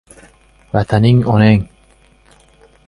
Vataning — onang